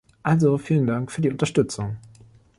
Also, vielen Dank für die Unterstützung!